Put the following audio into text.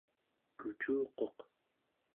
kucuquq